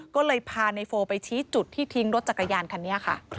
ก็เลยพาในโฟไปชี้จุดที่ทิ้งรถจักรยานคันนี้ค่ะ